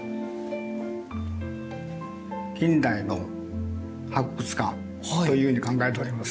「近代の博物館」というふうに考えております。